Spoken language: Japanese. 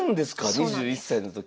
２１歳の時。